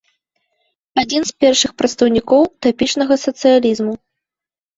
Адзін з першых прадстаўнікоў утапічнага сацыялізму.